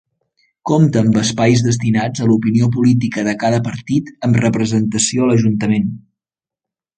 Compta amb espais destinats a l'opinió política de cada partit amb representació a l'ajuntament.